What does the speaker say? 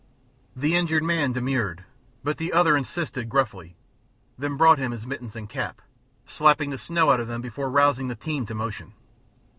The injured man demurred, but the other insisted gruffly, then brought him his mittens and cap, slapping the snow out of them before rousing the team to motion.